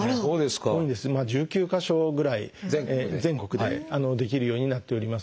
今１９か所ぐらい全国でできるようになっております。